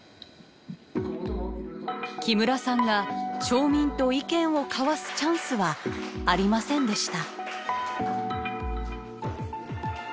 木村さんが町民と意見を交わすチャンスはありませんでした。